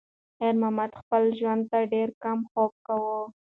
خیر محمد په خپل ژوند کې ډېر کم خوب کاوه.